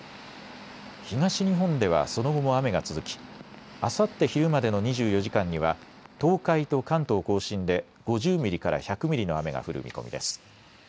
東日本ではその後も雨が続きあさって昼までの２４時間には東海と関東甲信で５０ミリから１００ミリの雨が降る見込みです。